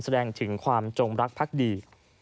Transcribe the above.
แสดงถึงความจงรักพักดี